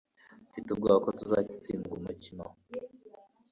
mfite ubwoba ko tuzatsindwa umukino